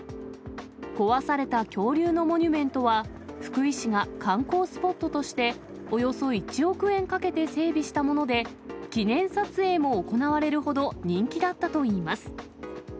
壊された恐竜のモニュメントは、福井市が観光スポットとしておよそ１億円かけて整備したもので、記念撮影も行われるほど人気だったといいます。